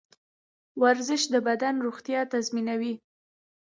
ورزش د بدن روغتیا تضمینوي.